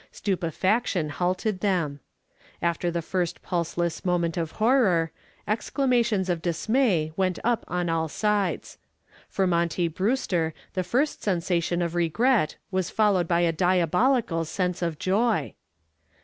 Stupefaction halted them. After the first pulseless moment of horror, exclamations of dismay went up on all sides. For Monty Brewster the first sensation of regret was followed by a diabolical sense of joy.